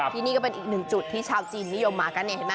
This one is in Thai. ที่นี่ก็เป็นอีกหนึ่งจุดที่ชาวจีนนิยมมากันเนี่ยเห็นไหม